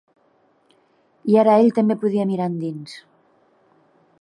I ara ell també podia mirar endins.